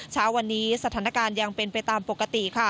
เช้าวันนี้สถานการณ์ยังเป็นไปตามปกติค่ะ